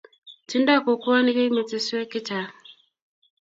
tingdoi kokwoni keimeteswek chechang'